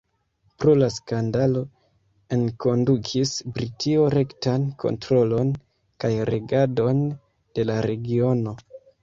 Pro la skandalo enkondukis Britio rektan kontrolon kaj regadon de la regiono.